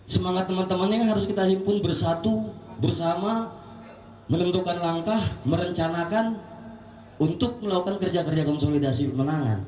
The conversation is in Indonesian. semangat teman temannya yang harus kita himpun bersatu bersama menentukan langkah merencanakan untuk melakukan kerja kerja konsolidasi pemenangan